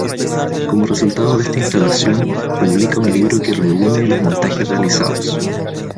Como resultado de esta instalación, publica un libro que reúne los montajes realizados.